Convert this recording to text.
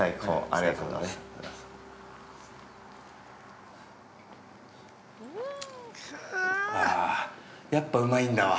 ◆ああ、やっぱうまいんだわ。